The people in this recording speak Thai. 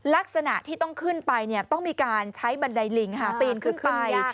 ลักษณะที่ต้องขึ้นไปเนี่ยต้องมีการใช้บันไดลิงปีนขึ้นไป